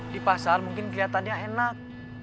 di pasar mungkin kelihatannya enak